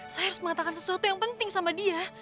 saya harus mengatakan sesuatu yang penting sama dia